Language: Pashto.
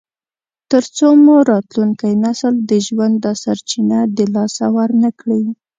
تر څو مو راتلونکی نسل د ژوند دا سرچینه د لاسه ورنکړي.